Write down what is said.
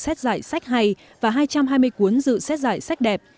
năm nay có bốn mươi nhà xuất bản gửi sách hay và hai trăm hai mươi cuốn dự xét giải sách đẹp